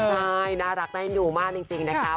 ใช่น่ารักได้ดูมากจริงนะครับ